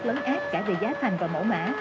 lớn ác cả về giá thành và mẫu mã